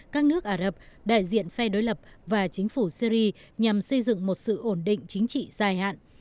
các nước ả rập đại diện phe đối lập và chính phủ syri nhằm xây dựng một sự ổn định chính trị dài hạn